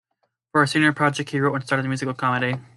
For his senior project, he wrote and starred in a musical comedy.